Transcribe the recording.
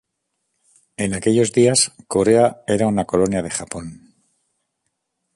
En aquellos días, Corea era una colonia de Japón.